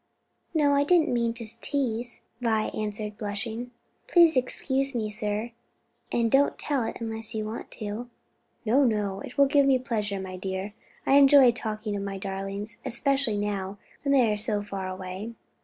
"No, I didn't mean to tease," Vi answered, blushing. "Please excuse me, sir, and don't tell it 'less you want to." "No, no; it will give me pleasure, my dear. I enjoy talking of my darlings; especially now when they are so far away."